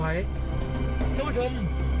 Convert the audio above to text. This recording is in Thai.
ท่านผู้ชม